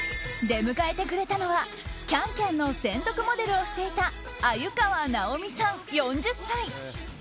出迎えてくれたのは「ＣａｎＣａｍ」の専属モデルをしていた鮎河ナオミさん、４０歳。